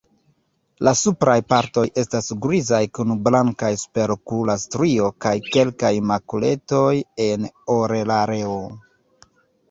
La supraj partoj estas grizaj kun blankaj superokula strio kaj kelkaj makuletoj en orelareo.